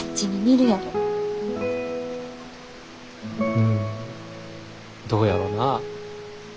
うんどうやろなぁ。